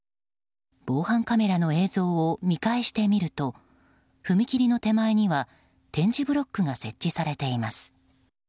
防犯カメラの映像を見返してみると踏切の手前には点字ブロックが設置されています。